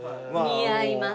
似合います。